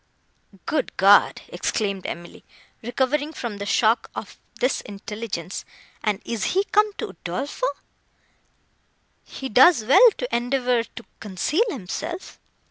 "Good God!" exclaimed Emily, recovering from the shock of this intelligence; "and is he come to Udolpho! He does well to endeavour to conceal himself."